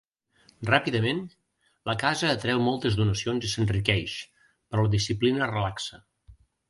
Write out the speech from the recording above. Ràpidament, la casa atreu moltes donacions i s'enriqueix, però la disciplina es relaxa.